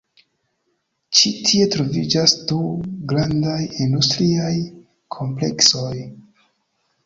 Ĉi tie troviĝas du grandaj industriaj kompleksoj.